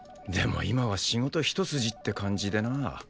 でも今は仕事一筋って感じでな。